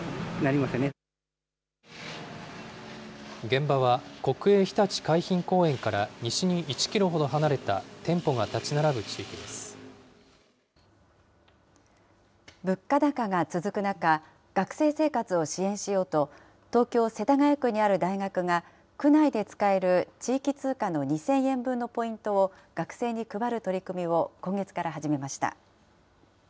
現場は、国営ひたち海浜公園から西に１キロほど離れた店舗が建ち並ぶ地域物価高が続く中、学生生活を支援しようと、東京・世田谷区にある大学が、区内で使える地域通貨の２０００円分のポイントを学生に配る取り組みを今月から始めました。